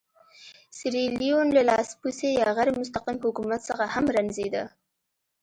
سیریلیون له لاسپوڅي یا غیر مستقیم حکومت څخه هم رنځېده.